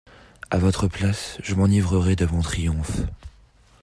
A votre place, je m'enivrerais de mon triomphe.